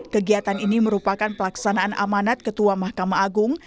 kegiatan ini merupakan pelaksanaan amanat ketua mahkamah agung